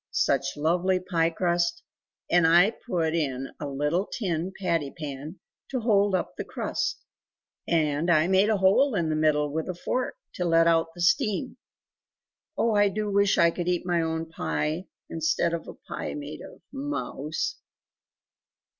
Such lovely pie crust; and I put in a little tin patty pan to hold up the crust; and I made a hole in the middle with a fork to let out the steam Oh I do wish I could eat my own pie, instead of a pie made of mouse!"